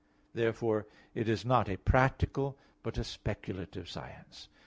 Therefore it is not a practical but a speculative science.